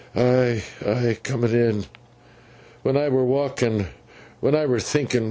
'Ay, ay! coming in. When I were walking. When I were thinking.